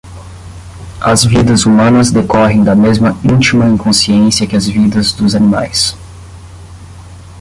As vidas humanas decorrem da mesma íntima inconsciência que as vidas dos animais.